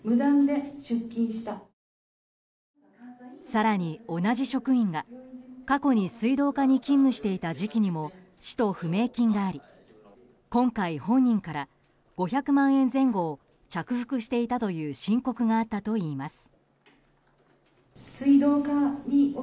更に、同じ職員が過去に水道課に勤務していた時期にも使途不明金があり今回、本人から５００万円前後を着服していたという申告があったといいます。